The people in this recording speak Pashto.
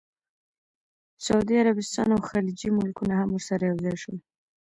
سعودي عربستان او خلیجي ملکونه هم ورسره یوځای شول.